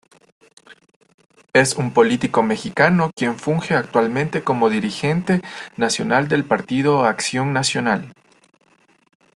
Es un político mexicano, quien funge actualmente como dirigente nacional del Partido Acción Nacional.